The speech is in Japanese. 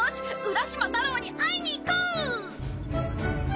浦島太郎に会いに行こう！